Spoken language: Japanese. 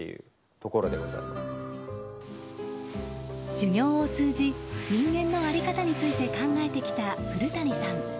修行を通じ人間の在り方について考えてきた古渓さん。